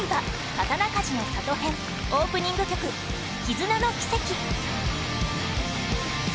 刀鍛冶の里編オープニング曲、『絆ノ奇跡』